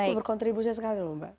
itu berkontribusi sekali loh mbak